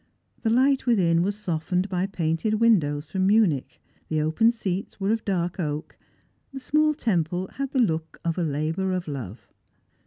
The light within was softened by painted windows from Munich; the open seats were of dark oak; the small temjjle had the look of a labour of love.